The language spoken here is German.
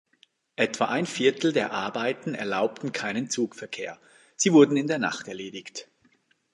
Etwa ein Viertel der Arbeiten erlaubten keinen Zugverkehr, sie wurden in der Nacht erledigt.